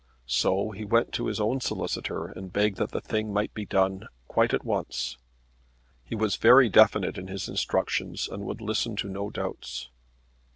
So he went to his own solicitor and begged that the thing might be done quite at once. He was very definite in his instructions, and would listen to no doubts.